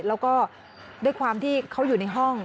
แล้วก็ด้วยความที่เขาอยู่ในห้อง